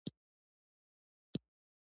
اقتصادي حبس ته لاس واچاوه